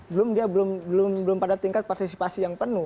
belum dia belum pada tingkat partisipasi yang penuh